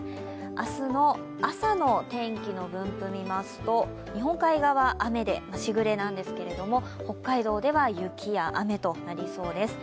明日の朝の天気の分布を見ますと日本海側、雨でしぐれなんですけれども、北海道では雪や雨となりそうです。